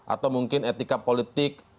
atau mungkin etika politik